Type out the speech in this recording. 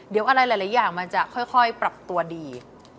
เดี๋ยวอะไรหลายอย่างมันจะค่อยปรับตัวดี